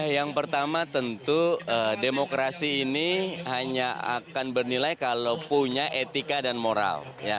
yang pertama tentu demokrasi ini hanya akan bernilai kalau punya etika dan moral